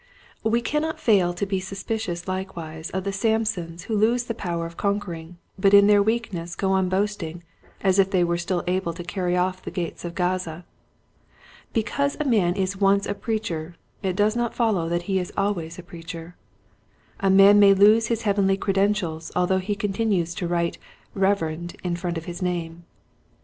We cannot fail to be suspicious likewise of the Samsons who lose the power of con quering but in their weakness go on boast ing as if they were still able to carry off the gates of Gaza. Because a man is once a preacher it does not follow that he is always a preacher. A man may lose his heavenly credentials although he continues to write " Reverend " in front of his name.